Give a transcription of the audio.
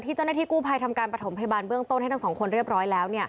เจ้าหน้าที่กู้ภัยทำการประถมพยาบาลเบื้องต้นให้ทั้งสองคนเรียบร้อยแล้ว